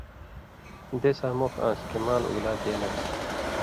دیساں مُخ آن٘س کھیں مال اُگلا دے لان٘س